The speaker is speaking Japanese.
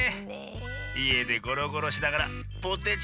いえでゴロゴロしながらポテチたべてもよし。